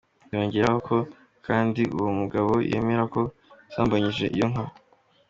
Yongeraho ko kandi uwo mugabo yemera ko yasambanyije iyo nka.